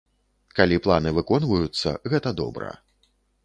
Калі планы выконваюцца, гэта добра.